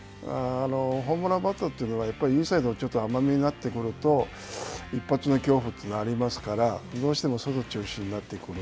ホームランバッターというのは、インサイドちょっと甘めになってくると一発の恐怖というのがありますから、どうしても外中心になってくる。